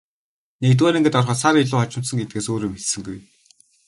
Нэгдүгээр ангид ороход сар илүү хожимдсон гэдгээс өөр юм хэлсэнгүй.